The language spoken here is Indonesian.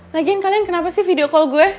nagian kalian kenapa sih video call gue